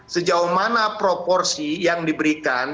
sejauh mana proporsi yang diberikan